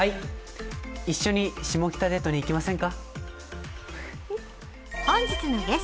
一緒に下北デートに行きませんか？